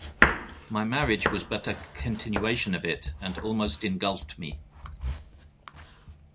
My marriage was but a continuation of it, and almost engulfed me.